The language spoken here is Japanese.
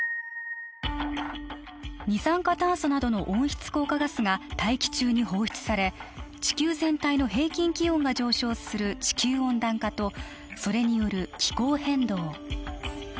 二酸化炭素などの温室効果ガスが大気中に放出され地球全体の平均気温が上昇する地球温暖化とそれによる気候変動